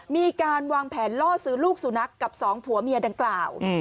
มีการวางแผนล่อซื้อลูกสุนัขกับสองผัวเมียดังกล่าว